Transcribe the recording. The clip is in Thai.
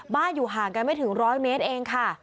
อยู่ห่างกันไม่ถึง๑๐๐เมตรเองค่ะ